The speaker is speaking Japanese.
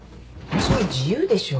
私の自由でしょ。